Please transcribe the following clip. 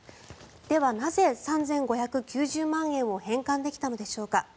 では、なぜ３５９０万円を返還できたのでしょうか。